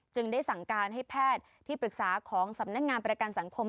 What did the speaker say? จึงได้สั่งการให้แพทย์ที่ปรึกษาของสำนักงานประกันสังคม